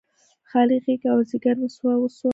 خالي غیږه او ځیګر مې وسوه، وسوه